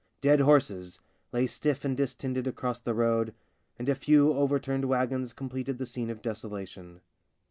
Dead horses lay stiff and distended across the road, and a few overturned wagons completed the scene of desolation.